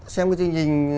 xem cái chương trình